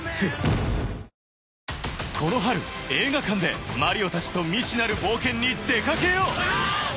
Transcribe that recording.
［この春映画館でマリオたちと未知なる冒険に出掛けよう］